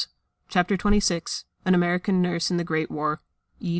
] CHAPTER XXVI AN AMERICAN NURSE IN THE GREAT WAR _E.